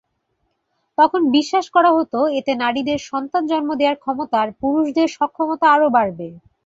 তখন বিশ্বাস করা হত, এতে নারীদের সন্তান জন্ম দেয়ার ক্ষমতা আর পুরুষদের সক্ষমতা আরো বাড়বে।